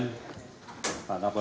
pak agus silahkan buat